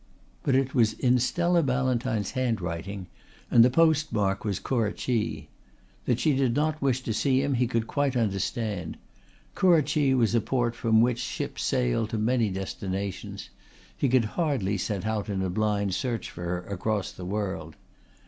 But it was in Stella Ballantyne's handwriting and the post mark was Kurrachee. That she did not wish to see him he could quite understand; Kurrachee was a port from which ships sailed to many destinations; he could hardly set out in a blind search for her across the world.